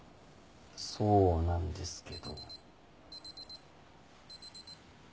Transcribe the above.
そうなんですけど。